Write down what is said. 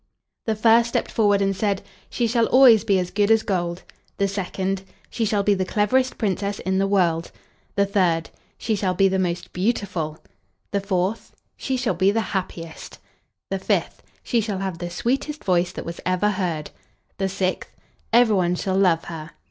The first stepped forward and said: "She shall always be as good as gold"; the second: "She shall be the cleverest Princess in the world"; the third: "She shall be the most beautiful"; the fourth: "She shall be the happiest"; the fifth: "She shall have the sweetest voice that was ever heard"; the sixth: "Everyone shall love her."